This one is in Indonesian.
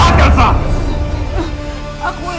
kamu sudah bisain aku